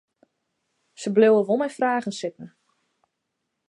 Se bliuwe wol mei fragen sitten.